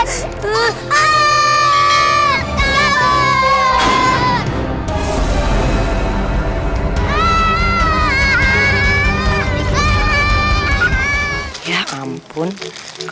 suatu awal sc song